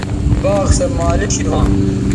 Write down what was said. باغ سو مالک شید ھواں